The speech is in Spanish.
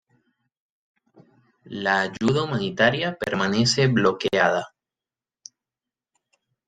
La ayuda humanitaria permanece bloqueada.